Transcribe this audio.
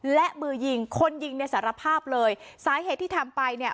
และมือยิงคนยิงเนี่ยสารภาพเลยสาเหตุที่ทำไปเนี่ย